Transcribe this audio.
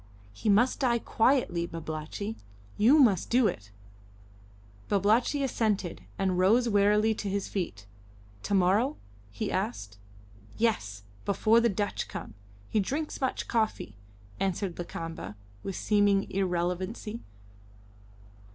He must die quietly, Babalatchi. You must do it." Babalatchi assented, and rose wearily to his feet. "To morrow?" he asked. "Yes; before the Dutch come. He drinks much coffee," answered Lakamba, with seeming irrelevancy.